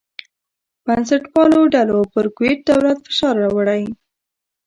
بنسټپالو ډلو پر کویت دولت فشار راوړی.